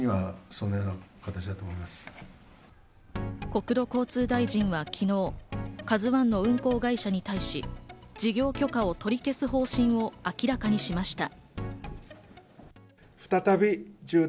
国土交通大臣は昨日、「ＫＡＺＵ１」の運航会社に対し、事業許可を取り消す方針を明らかにしました。